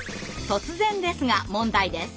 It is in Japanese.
突然ですが問題です。